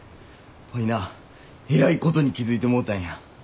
ワイなえらいことに気付いてもうたんや。